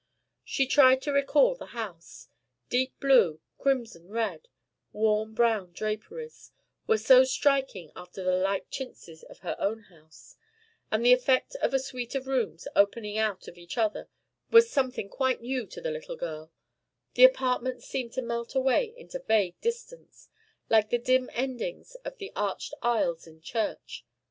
She tried to recall the house. Deep blue, crimson red, warm brown draperies, were so striking after the light chintzes of her own house; and the effect of a suite of rooms opening out of each other was something quite new to the little girl; the apartments seemed to melt away into vague distance, like the dim endings of the arched aisles in church.